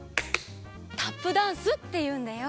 タップダンスっていうんだよ。